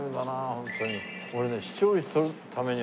ホントに。